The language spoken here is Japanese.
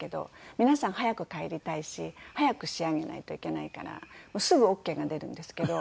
皆さん早く帰りたいし早く仕上げないといけないからすぐオーケーが出るんですけど。